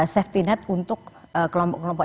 safety net untuk kelompok kelompok